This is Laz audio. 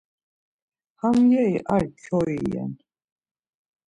Ham yeri ar kyoi ren.